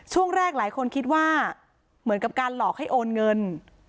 ช่วงแรกหลายคนคิดว่าเหมือนกับการหลอกให้โอนเงิน